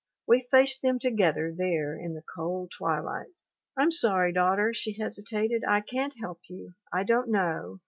We faced them together there in the cold twilight. " Tm sorry, daughter' she hesitated 'I can't help you. I don't know